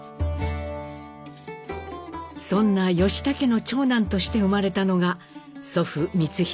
そんな義武の長男として生まれたのが祖父光宏。